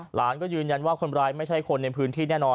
หลานก็ยืนยันว่าคนร้ายไม่ใช่คนในพื้นที่แน่นอน